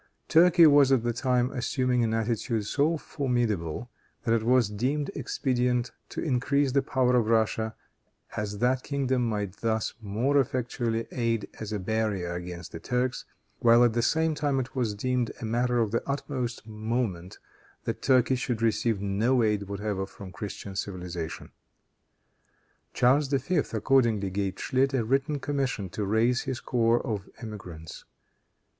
Turkey was at that time assuming an attitude so formidable, that it was deemed expedient to increase the power of Russia, as that kingdom might thus more effectually aid as a barrier against the Turks; while, at the same time, it was deemed a matter of the utmost moment that Turkey should receive no aid whatever from Christian civilization. Charles V. accordingly gave Schlit a written commission to raise his corps of emigrants.